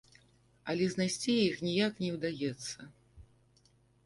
Але знайсці іх ніяк не ўдаецца.